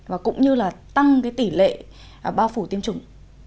và cũng như là tăng cái tỷ lệ bao phủ tiêm chủng